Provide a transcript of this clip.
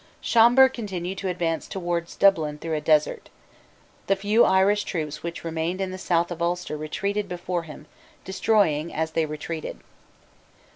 Schomberg continued to advance towards Dublin through a desert. The few Irish troops which remained in the south of Ulster retreated before him, destroying as they retreated.